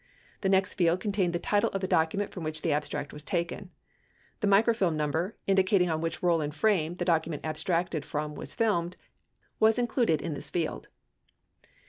The next field contained the title of the document from which the abstract was taken. The micro film number, indicating on which roll and frame the document abstracted from was filmed, was included in this field.